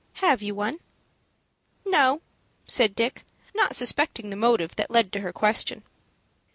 Have you one?" "No," said Dick, not suspecting the motive that led to her question.